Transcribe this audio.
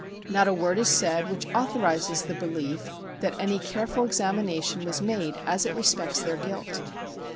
Not a word is said which authorizes the belief that any careful examination was made, as it respects their guilt.